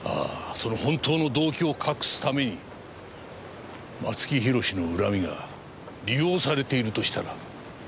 その本当の動機を隠すために松木弘の恨みが利用されているとしたら？